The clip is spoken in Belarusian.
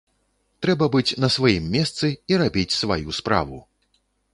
Трэба быць на сваім месцы і рабіць сваю справу!